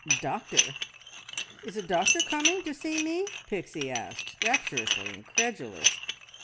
"Doctor! Is a doctor coming? To see me?" Pixie asked, rapturously incredulous.